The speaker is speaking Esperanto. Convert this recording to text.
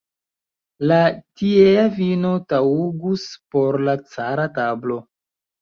La tiea vino taŭgus por la cara tablo.